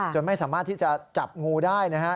ไม่สามารถที่จะจับงูได้นะฮะ